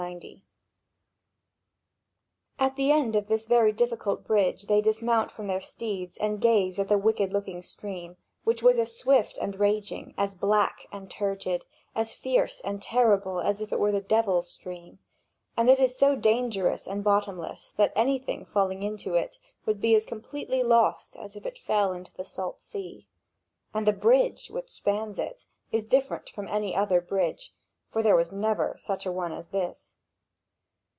(Vv. 3021 3194.) At the end of this very difficult bridge they dismount from their steeds and gaze at the wicked looking stream, which is as swift and raging, as black and turgid, as fierce and terrible as if it were the devil's stream; and it is so dangerous and bottomless that anything failing into it would be as completely lost as if it fell into the salt sea. And the bridge, which spans it, is different from any other bridge; for there never was such a one as this.